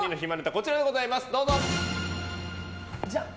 こちらでございます。